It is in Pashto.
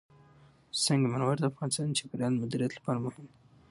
سنگ مرمر د افغانستان د چاپیریال د مدیریت لپاره مهم دي.